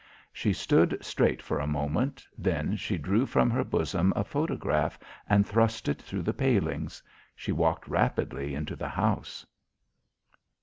She stood straight for a moment; then she drew from her bosom a photograph and thrust it through the palings. She walked rapidly into the house.